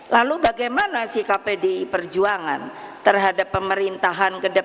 lalu bagaimana sih kpd perjuangan terhadap pemerintah